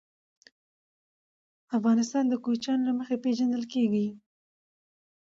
افغانستان د کوچیانو له مخې پېژندل کېږي.